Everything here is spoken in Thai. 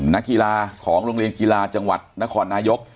นักกีฬาของโรงเรียนกีฬาจังหวัดนครนายก